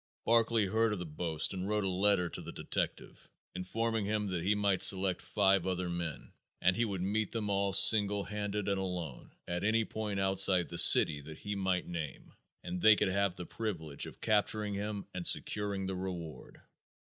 Barclay heard of the boast and wrote a letter to the detective informing him that he might select five other men and he would meet them all single handed and alone at any point outside the city that he might name, and they could have the privilege of capturing him and securing the reward.